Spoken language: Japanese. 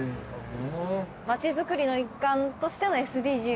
町づくりの一環としてのＳＤＧｓ。